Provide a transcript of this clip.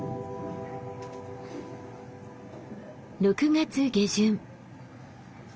６月下旬。